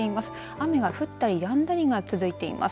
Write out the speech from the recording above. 雨が降ったりやんだりが続いています。